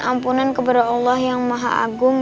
ampunan kepada allah yang maha agung